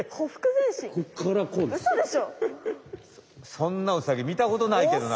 そんなウサギみたことないけどな。